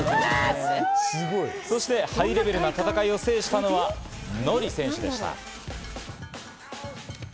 ハイレベルな戦いを制したのはＮＯＲＩ選手でした。